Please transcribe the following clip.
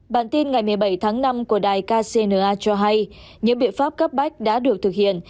bản tin ngày một mươi bảy tháng năm của đài kcna cho hay những biện pháp cấp bách đã được thực hiện